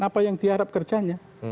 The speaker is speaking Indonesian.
apa yang diharap kerjanya